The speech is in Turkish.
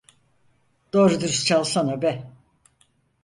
Doğru dürüst çalsana be!